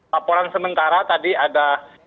laporan sementara tadi ada